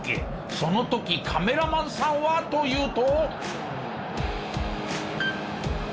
その時カメラマンさんはというと。